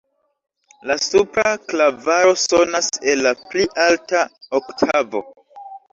La supra klavaro sonas en la pli alta oktavo.